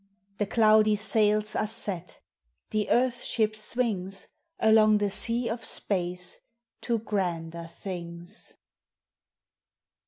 The cloudy sails are set; the earth ship swings Along the sea of space to grander tilings.